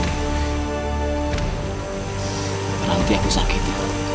nanti aku sakit